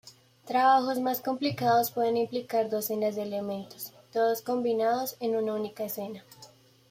Trabajos más complicados pueden implicar docenas de elementos, todos combinados en una única escena.